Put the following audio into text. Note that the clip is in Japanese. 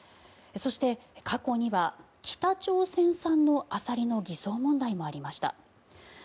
そして、過去には北朝鮮産のアサリの偽装問題もありました。